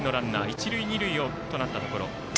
一塁二塁となったところ。